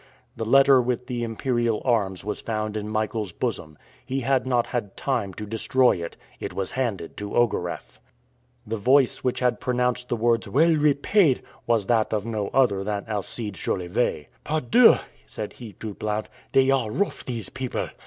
The letter with the imperial arms was found in Michael's bosom; he had not had time to destroy it; it was handed to Ogareff. The voice which had pronounced the words, "Well repaid!" was that of no other than Alcide Jolivet. "Par dieu!" said he to Blount, "they are rough, these people.